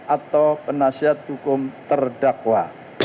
atau penasihat hukum terdakwa